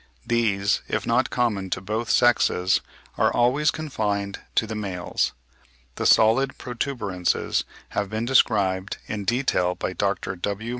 These, if not common to both sexes, are always confined to the males. The solid protuberances have been described in detail by Dr. W.